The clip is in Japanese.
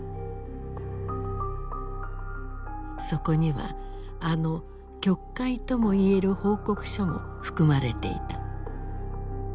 そこにはあの曲解ともいえる報告書も含まれていた。